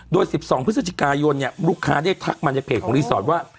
โดยสิบสองพฤศจิกายนย์ลูกค้าได้ทักมาในเพจของอีซอร์ตว่า